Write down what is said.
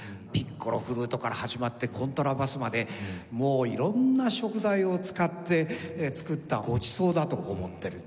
ピッコロフルートから始まってコントラバスまでもう色んな食材を使って作ったごちそうだと思ってる。